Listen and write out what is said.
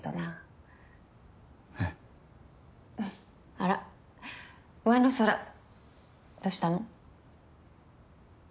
あらうわの空どうしたの？